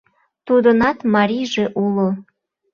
Тудынат марийже уло.